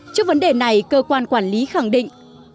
trước vấn đề này cơ quan quản lý khẳng định